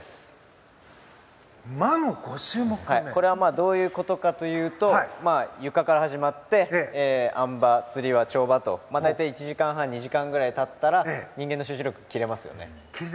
これは、どういうことかというとゆかから始まってあん馬、つり輪、跳馬と大体１時間半、２時間半ぐらい経ったら人間の集中力って切れますよね。